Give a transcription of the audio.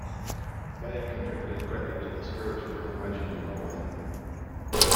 Beyer contributed greatly to the spiritual Reformation in Norway.